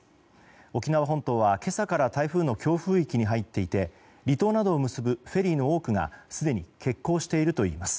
沖縄本島は今朝から台風の強風域に入っていて離島などを結ぶフェリーの多くがすでに欠航しているといいます。